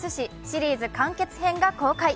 シリーズ完結編が公開。